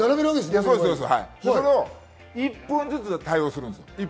それを１分ずつ対応するんです。